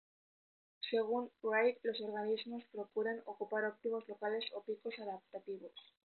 Según Wright, los organismos procuran ocupar óptimos locales o picos adaptativos.